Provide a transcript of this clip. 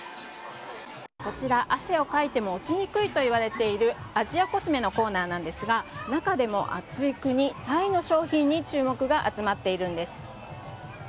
こちら、汗をかいても落ちにくいといわれているアジアコスメのコーナーなんですが中でも暑い国タイの商品に注目が集まっているんです。